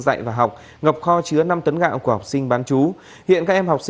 dạy và học ngập kho chứa năm tấn gạo